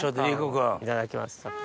いただきます。